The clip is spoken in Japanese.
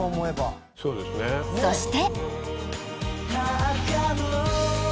そして。